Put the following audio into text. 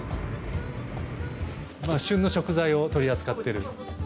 旬の食材を取り扱ってる。